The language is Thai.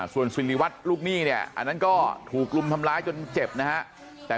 ส่วนสิริวัตรลูกหนี้เนี่ยอันนั้นก็ถูกรุมทำร้ายจนเจ็บนะฮะ